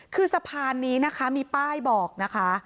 คือสะพานนี้นะคะมีป้ายบอกนะคะ